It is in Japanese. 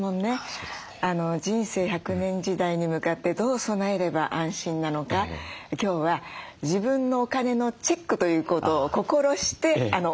人生１００年時代に向かってどう備えれば安心なのか今日は自分のお金のチェックということを心してお勉強したいと思ってます。